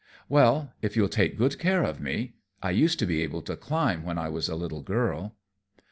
"Well, if you'll take good care of me. I used to be able to climb, when I was a little girl."